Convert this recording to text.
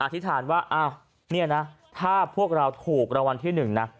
อธิษฐานว่านี่นะถ้าพวกเราถูกรวรณที่๑นะ